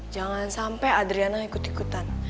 jangan sampai adriana ikut ikutan